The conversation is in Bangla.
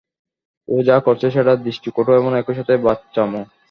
ও যা করছে সেটা দৃষ্টিকটু এবং একই সাথে বাচ্চামো!